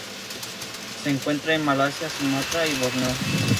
Se encuentra en Malasia, Sumatra y Borneo.